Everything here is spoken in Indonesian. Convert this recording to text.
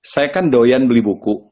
saya kan doyan beli buku